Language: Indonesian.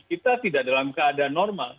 kita tidak dalam keadaan normal